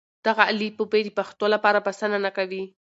دغه الفبې د پښتو لپاره بسنه نه کوي.